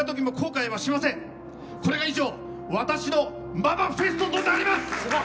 以上これが私のママフェストとなります！